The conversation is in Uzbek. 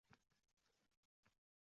-To’xta-a-a-ang!